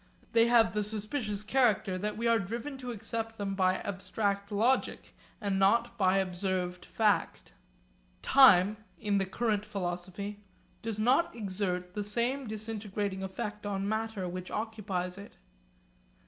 They have the suspicious character that we are driven to accept them by abstract logic and not by observed fact. Time (in the current philosophy) does not exert the same disintegrating effect on matter which occupies it.